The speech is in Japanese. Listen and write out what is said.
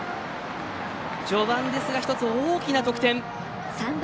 序盤ですが１つ、大きな得点。